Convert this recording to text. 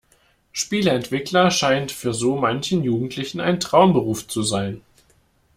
Spieleentwickler scheint für so manchen Jugendlichen ein Traumberuf zu sein.